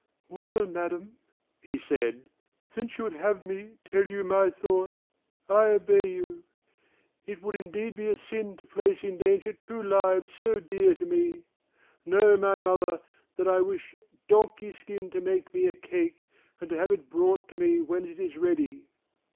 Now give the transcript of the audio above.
"Well, Madam," he said, "since you would have me tell you my thought, I obey you. It would indeed be a sin to place in danger two lives so dear to me. Know, my mother, that I wish Donkey skin to make me a cake, and to have it brought to me when it is ready."